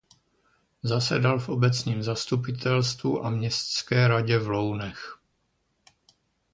Zasedal v obecním zastupitelstvu a městské radě v Lounech.